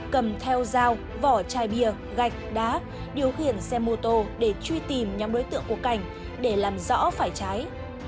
cầm theo dao vỏ chai bia gạch đá điều khiển xe mô tô để truy tìm nhóm đối tượng của cảnh để làm rõ phải trái